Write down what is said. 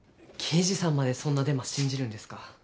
刑事さんまでそんなデマ信じるんですか？